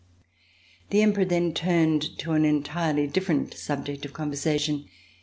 The Emperor then turned to an entirely different subject of conversation.